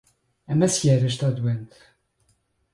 A macieira está doente